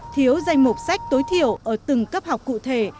thiếu danh mục sách tối thiểu ở từng cấp học cụ thể